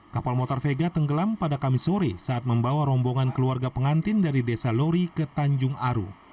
kapal motor vega tenggelam pada kamis sore saat membawa rombongan keluarga pengantin dari desa lori ke tanjung aru